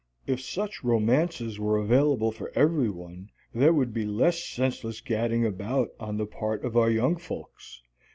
If such romances were available for every one there would be less senseless gadding about on the part of our young folks.